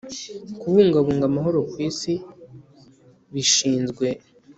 Kubungabunga amahoro ku isi bishinzwe